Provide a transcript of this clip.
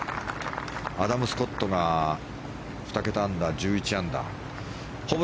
アダム・スコットが２桁アンダー、１１アンダー。